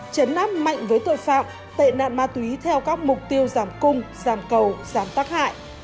chấn áp mạnh với tội phạm tệ nạn ma túy theo các mục tiêu giảm cung giảm cầu giảm tắc hại